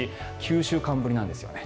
９週間ぶりなんですよね。